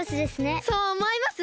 そうおもいます？